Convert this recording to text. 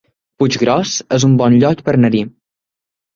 Puiggròs es un bon lloc per anar-hi